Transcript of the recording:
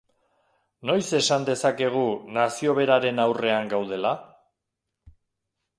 Noiz esan dezakegu nazio beraren aurrean gaudela?